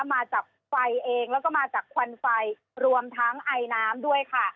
มาจากไฟเองแล้วก็มาจากควันไฟรวมทั้งไอน้ำด้วยค่ะ